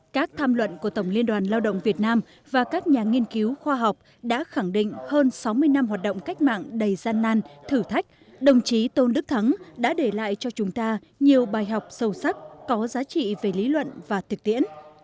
các tham luận của tổng liên đoàn lao động việt nam và các nhà nghiên cứu khoa học đã khẳng định hơn sáu mươi năm hoạt động cách mạng đầy gian nan thử thách đồng chí tôn đức thắng đã để lại cho chúng ta nhiều bài học sâu sắc có giá trị về lý luận và thực tiễn